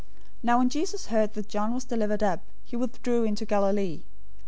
004:012 Now when Jesus heard that John was delivered up, he withdrew into Galilee.